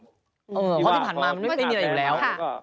เพราะที่ผ่านมามันไม่ค่อยมีอะไรอยู่แล้ว